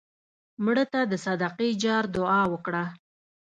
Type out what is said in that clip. مړه ته د صدقې جار دعا وکړه